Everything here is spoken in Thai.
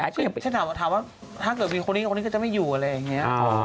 ฉันถามว่าถ้าเกิดมีคนนี้กับคนนี้ก็จะไม่อยู่อะไรแบบนี้